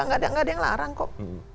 nggak ada yang larang kok